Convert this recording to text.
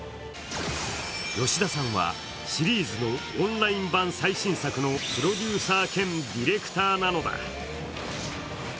吉田さんは、シリーズのオンライン版最新作のプロデューサー兼ディレクターなのだ。